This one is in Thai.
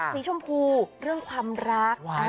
สีชมพูเรื่องความรัก